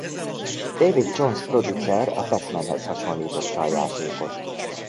David Jones producer a Pac-Manhez hasonlította a játékot.